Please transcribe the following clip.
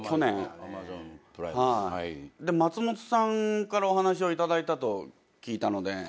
で松本さんからお話を頂いたと聞いたので。